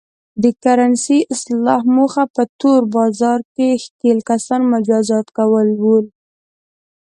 د کرنسۍ اصلاح موخه په تور بازار کې ښکېل کسان مجازات کول و.